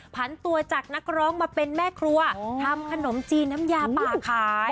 ผันตัวจากนักร้องมาเป็นแม่ครัวทำขนมจีนน้ำยาป่าขาย